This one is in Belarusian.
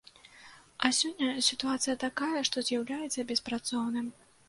А сёння сітуацыя такая, што з'яўляецца беспрацоўным.